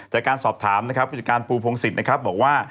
จากการสอบถามผู้จิตการภูพงศิษย์บอกว่า